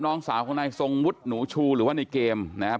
น้องสาวของนายทรงวุฒิหนูชูหรือว่าในเกมนะครับ